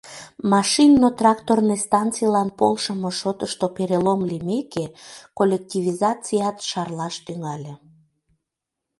Машинно-тракторный станцийлан полшымо шотышто перелом лиймеке, коллективизацият шарлаш тӱҥале.